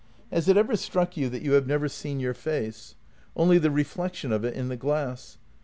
" Has it ever struck you that you have never seen your face? Only the reflection of it in the glass.